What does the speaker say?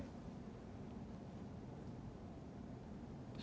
pengabdian kita untuk membangun bangsa ini